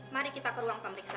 mari kita ke ruang pemeriksaan